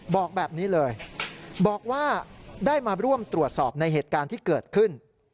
บอกแบบนี้เลยบอกว่าได้มาร่วมตรวจสอบในเหตุการณ์ที่เกิดขึ้น